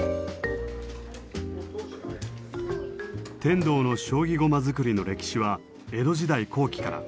天童の将棋駒作りの歴史は江戸時代後期から。